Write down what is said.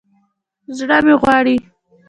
زړه مې غواړي